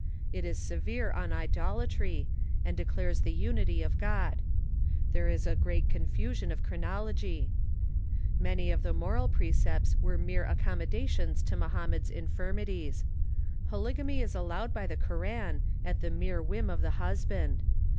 It is severe on idola try, and declares the unity of God. There is a great confu sion of chronology. Many of the moral precepts were mere accommodations to Mohammed's infirmities. Polygamy is al lowed by the Koran, at the mere whim of the husband.